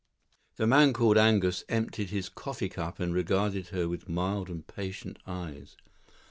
The man called Angus emptied his coffee cup and regarded her with mild and patient eyes.